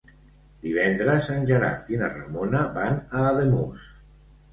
Divendres en Gerard i na Ramona van a Ademús.